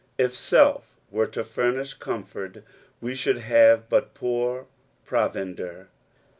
If self were to furnish comfort, we should haTO but poor provender.